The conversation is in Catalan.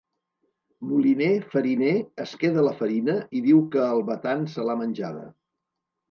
Moliner, fariner, es queda la farina i diu que el batan se l'ha menjada.